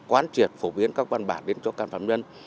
quán triệt phổ biến các văn bản đến cho cán phạm nhân